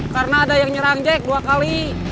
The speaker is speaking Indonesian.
karena ada yang nyerang jack dua kali